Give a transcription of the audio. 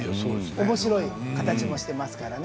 おもしろい形もしていますからね。